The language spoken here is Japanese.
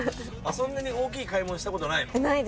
そんなに大きい買い物したことないの？